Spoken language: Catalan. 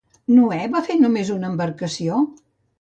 Noè va fer només una embarcació?